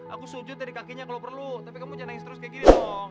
aku sujud dari kakinya kalau perlu tapi kamu nya nangis terus kayak gini dong